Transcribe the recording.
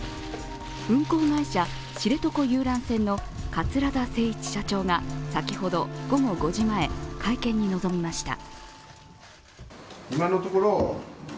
運航会社、知床遊覧船の桂田精一社長が先ほど午後５時前会見に臨みました。